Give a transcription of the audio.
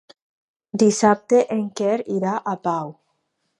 Dissabte en Quer irà a Pau.